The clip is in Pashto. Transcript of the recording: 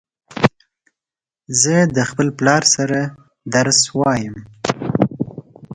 زه د خپل پلار سره درس وایم